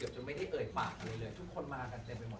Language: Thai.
ซึ่งจริงแล้วเปลี่ยนกับบุคก็ไม่สนิทกันมาก